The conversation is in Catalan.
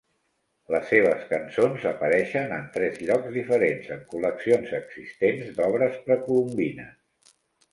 Les seves cançons apareixen en tres llocs diferents en col·leccions existents d'obres precolombines.